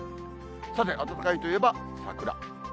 さて、暖かいといえば桜。